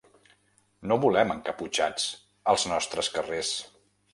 No volem encaputxats als nostres carrers.